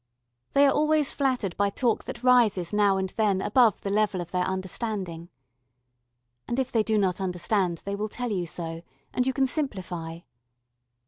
They are always flattered by talk that rises now and then above the level of their understanding. And if they do not understand they will tell you so, and you can simplify.